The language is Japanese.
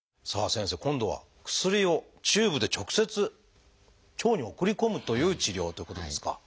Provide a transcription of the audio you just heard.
先生今度は薬をチューブで直接腸に送り込むという治療ということですか？